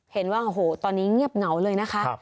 เห็นว่าโอ้โหตอนนี้เงียบเหงาเลยนะคะ